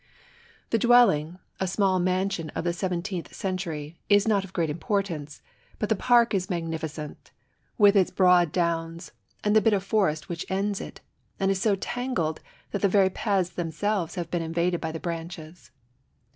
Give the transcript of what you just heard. The dwelling, a square man sion of the Seventeenth Century, is not of great impor tance ; but the park is magnificent, with its broad downs and the bit of forest which ends it and is so tangled that the very paths themselves have been invaded by the branches.